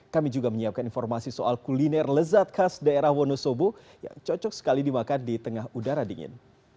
kami juga menyiapkan informasi soal kuliner lezat khas daerah wonosobo yang cocok sekali dimakan di tengah udara dingin